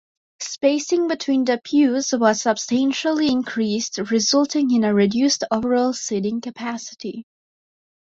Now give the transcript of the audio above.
Spacing between the pews was substantially increased, resulting in a reduced overall seating capacity.